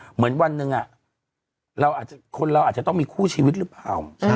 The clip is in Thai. เหมือนวันหนึ่งคนเราอาจจะต้องมีคู่ชีวิตหรือเปล่า